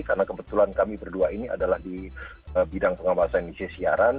karena kebetulan kami berdua ini adalah di bidang pengawasan indonesia siaran